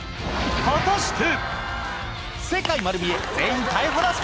果たして⁉